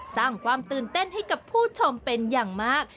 สร้างความตื่นเต้นให้กับผู้ชมเป็นอย่างมาก